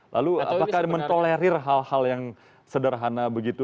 lalu apakah mentolerir hal hal yang sederhana begitu